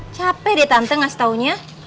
capek deh tante gak setaunya